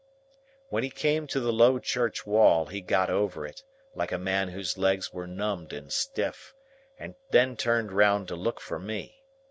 When he came to the low church wall, he got over it, like a man whose legs were numbed and stiff, and then turned round to look for me.